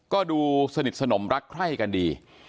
ก็ดูสนิทสนมรักใคร่กันดี